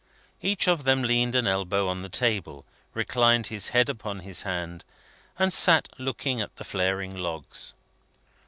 Each of them leaned an elbow on the table, reclined his head upon his hand, and sat looking at the flaring logs.